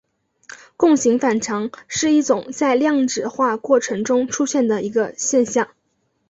共形反常是一种在量子化过程中出现的一个现象。